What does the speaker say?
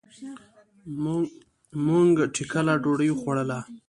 مونږ ټکله ډوډي وخوړله.